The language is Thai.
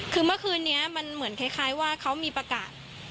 คือเมื่อคืนนี้มันเหมือนคล้ายว่าเขามีประกาศ